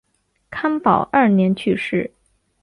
康保二年去世。